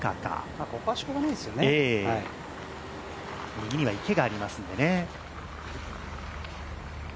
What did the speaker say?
右には池がありますのでね。